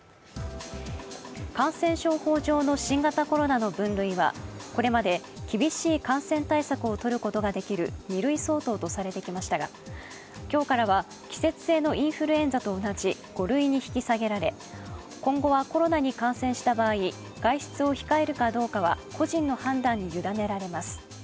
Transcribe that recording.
感染症法上の新型コロナの分類はこれまで厳しい感染対策をとることができる２類相当とされてきましたが今日からは季節性のインフルエンザと同じ５類に引き下げられ、今後はコロナに感染した場合、外出を控えるかどうかは個人の判断に委ねられます。